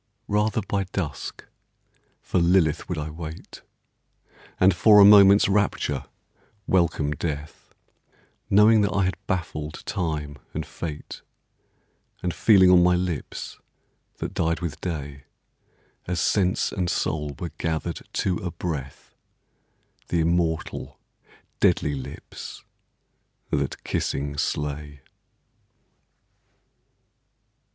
Rather by dusk for Lilith would I wait And for a moment's rapture welcome death, Knowing that I had baffled Time and Fate, And feeling on my lips, that died with day As sense and soul were gathered to a breath, The immortal, deadly lips that kissing slay.